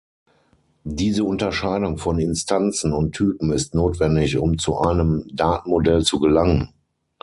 Diese Unterscheidung von Instanzen und Typen ist notwendig, um zu einem Datenmodell zu gelangen.